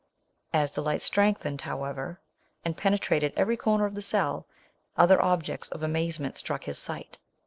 As the light strengthened, however, and pe netrated every corner of the cell, other objects of amazement struck his sight.